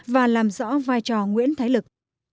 và làm rõ vai trò nguyễn thái lực